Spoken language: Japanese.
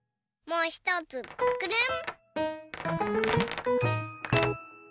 もうひとつくるん！